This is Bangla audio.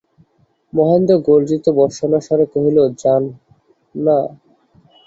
মহেন্দ্র গর্জিত ভর্ৎসনার স্বরে কহিল, জান না!